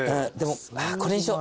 これにしよう。